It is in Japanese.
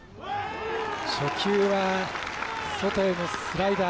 初球は外へのスライダー。